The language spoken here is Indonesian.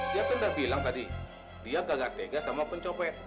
dia kan udah bilang tadi dia gagal tega sama pencopet